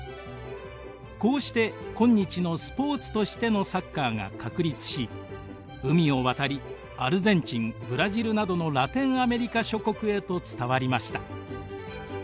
こうして今日のスポーツとしてのサッカーが確立し海を渡りアルゼンチンブラジルなどのラテンアメリカ諸国へと伝わりました。